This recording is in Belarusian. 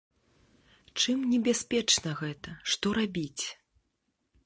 Чым небяспечна гэта, што рабіць?